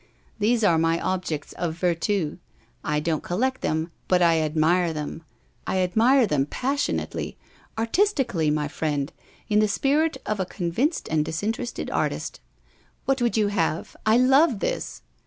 These are my objects of vertu. I don't collect them, but I admire them I admire them passionately, artistically, my friend, in the spirit of a convinced and disinterested artist. What would you have? I love this!